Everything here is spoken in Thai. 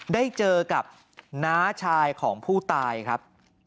ได้เจอกับน้าชายของผู้ตายครับ